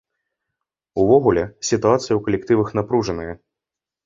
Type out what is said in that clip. Увогуле, сітуацыя ў калектывах напружаная.